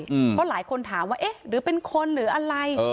เพราะหลายคนถามว่าเอ๊ะหรือเป็นคนหรืออะไร